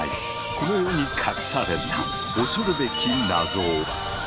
この世に隠された恐るべき謎を。